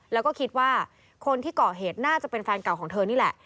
แล้วก็คิดว่าคนที่เกาะเหตุน่าจะเป็นแฟนเก่าของเธอนี่แหละ